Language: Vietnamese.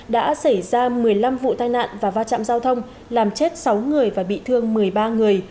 đã xảy ra một mươi năm vụ tai nạn và va chạm giao thông làm chết sáu người và bị thương một mươi ba người